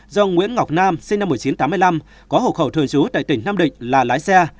do nguyễn ngọc nam sinh năm một nghìn chín trăm tám mươi năm có hộ khẩu thường trú tại tỉnh nam định là lái xe